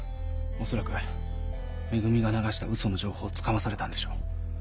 恐らく「め組」が流したウソの情報をつかまされたんでしょう。